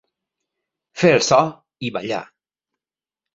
Fer el so i ballar.